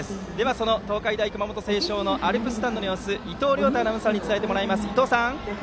その東海大熊本星翔のアルプススタンドの様子を伊藤亮太アナウンサーに伝えてもらいましょう。